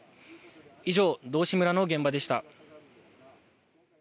以上、道志村の現場でした。